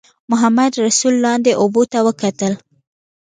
محمدرسول لاندې اوبو ته وکتل.